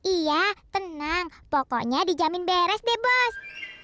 iya tenang pokoknya dijamin beres deh bos